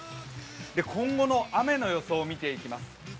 今後の雨の予想を見ていきます。